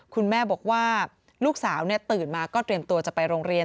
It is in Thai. คุณแม่บอกว่าลูกสาวตื่นมาก็เตรียมตัวจะไปโรงเรียน